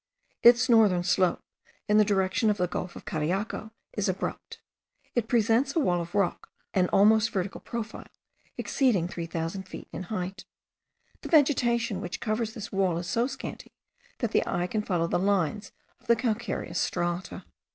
Its northern slope, in the direction of the gulf of Cariaco, is abrupt. It presents a wall of rock, an almost vertical profile, exceeding 3000 feet in height. The vegetation which covers this wall is so scanty, that the eye can follow the lines of the calcareous strata.